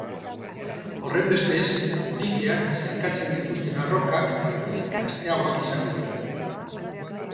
Horrenbestez dikeak, zeharkatzen dituzten arrokak baino gazteagoak izango dira.